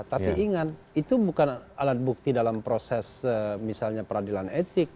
tapi ingat itu bukan alat bukti dalam proses misalnya peradilan etik